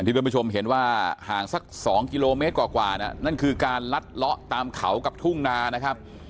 ท่านผู้ชมเห็นว่าห่างสัก๒กิโลเมตรกว่าน่ะนั่นคือการลัดเลาะตามเขากับทุ่งนานะครับ